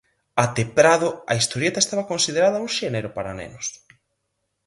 Até Prado a historieta estaba considerada un xénero para nenos.